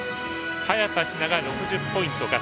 早田ひなが６０ポイント加算。